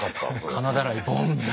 金だらいボンって。